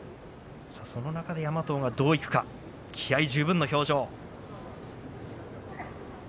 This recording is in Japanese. その中で山藤がどういくか気合い十分の表情。